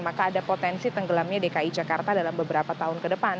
yang gelamnya dki jakarta dalam beberapa tahun ke depan